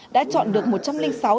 đã chọn được một tác phẩm